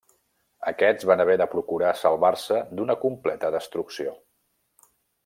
Aquests van haver de procurar salvar-se d'una completa destrucció.